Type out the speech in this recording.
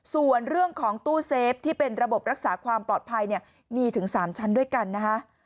ส่วนเรื่องของตู้เซฟที่เป็นระบบรักษาความปลอดภัยเนี่ยมีถึง๓ชั้นด้วยกันนะคะ